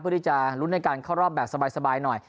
เพื่อที่จะลุ้นในการเข้ารอบแบบสบายหน่อย